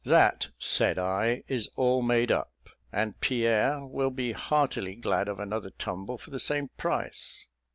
"That," said I, "is all made up, and Pierre will be heartily glad of another tumble for the same price."